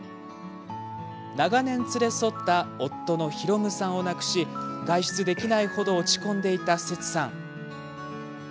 長年連れ添った夫の弘さんを亡くし外出できないほど落ち込んでいたセツさん。